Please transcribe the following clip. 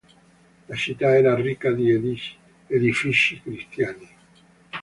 La città era ricca di edifici cristiani.